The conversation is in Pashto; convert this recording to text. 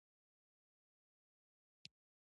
ارمایي دا خیال و چې مشهور محقق مولانا وي.